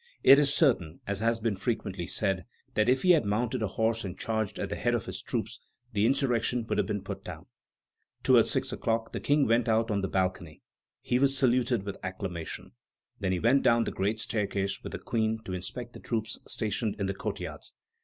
It is certain, as has been frequently said, that if he had mounted a horse and charged at the head of his troops, the insurrection would have been put down." Toward six o'clock the King went out on the balcony. He was saluted with acclamations. Then he went down the great staircase with the Queen to inspect the troops stationed in the courtyards.